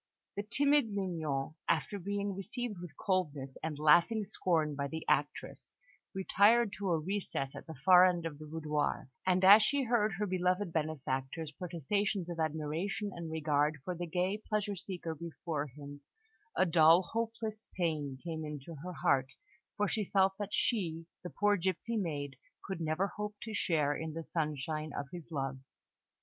The timid Mignon, after being received with coldness and laughing scorn by the actress, retired to a recess at the far end of the boudoir; and as she heard her beloved benefactor's protestations of admiration and regard for the gay pleasure seeker before him, a dull, hopeless pain came into her heart, for she felt that she, the poor gipsy maid, could never hope to share in the sunshine of his love.